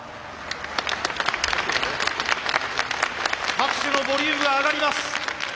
拍手のボリュームが上がります。